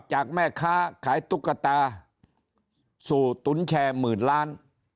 จากแม่ค้าขายตุ๊กตาสู่ตุ๋นแชร์หมื่นล้าน